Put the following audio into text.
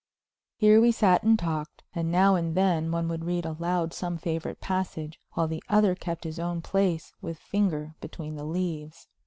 Here we sat and talked, and now and then one would read aloud some favorite passage, while the other kept his own place with finger between the leaves.